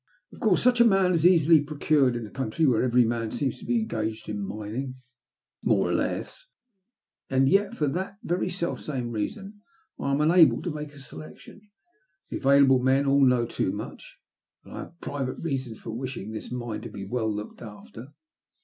Of coarse such a man is easily procured in a country where every man seems to be engaged in mining, more or less ; and yet for that very self same reason I am unable to make a selection. The available men all know too much, and I have private reasons for wishing this mine to be well looked after.